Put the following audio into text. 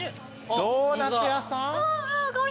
ドーナツ屋さん？